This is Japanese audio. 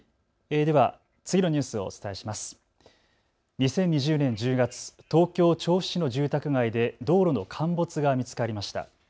２０２０年１０月、東京調布市の住宅街で道路の陥没が見つかりました。